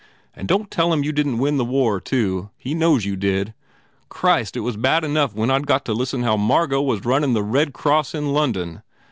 And don t tell him you didn t win the war, too. He knows you did. Christ, it was bad enough when I d got to listen to how Margot was runnin the Red Cross in London!